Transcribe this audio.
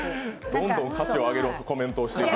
どんどん価値を上げるコメントをしてる。